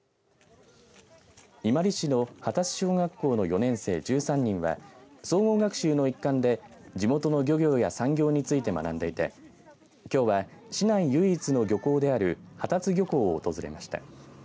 伊万里市の波多津小学校の４年生１３人は総合学習の一環で地元の漁業や産業について学んでいてきょうは、市内唯一の漁港である波多津漁港を訪れました。